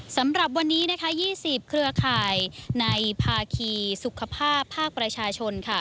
สำหรับวันนี้นะคะ๒๐เครือข่ายในภาคีสุขภาพภาคประชาชนค่ะ